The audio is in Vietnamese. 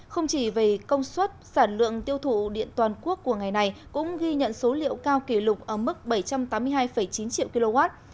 không chỉ về công suất sản lượng tiêu thụ điện toàn quốc của ngày này cũng ghi nhận số liệu cao kỷ lục ở mức bảy trăm tám mươi hai chín triệu kw